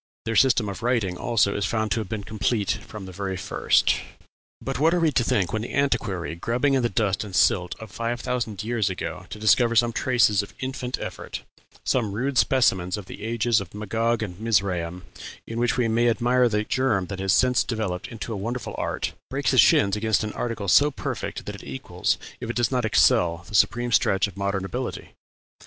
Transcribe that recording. Their system of writing, also, is found to have been complete from the very first.... "But what are we to think when the antiquary, grubbing in the dust and silt of five thousand years ago to discover some traces of infant effort some rude specimens of the ages of Magog and Mizraim, in which we may admire the germ that has since developed into a wonderful art breaks his shins against an article so perfect that it equals if it does not excel the supreme stretch of modern ability?